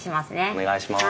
お願いします。